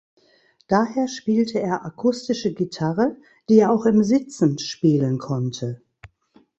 Daher spielte er akustische Gitarre, die er auch im Sitzen spielen konnte.